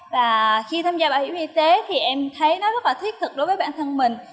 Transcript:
và khi tham gia bảo hiểm y tế thì em thấy nó rất là thiết thực đối với bản thân mình